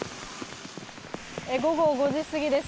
午後５時過ぎです。